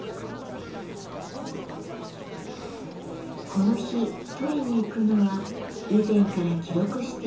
この日撮りに行くのは以前から記録しているうさぎの親子。